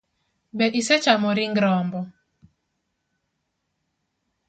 Be isechamo ring rombo?